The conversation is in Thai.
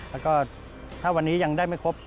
แล้วก็ถ้าวันนี้ยังได้ไม่ครบ